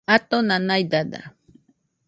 Atona naidada